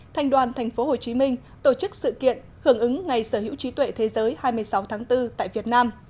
thành đoàn tp hcm tổ chức sự kiện hưởng ứng ngày sở hữu trí tuệ thế giới hai mươi sáu tháng bốn tại việt nam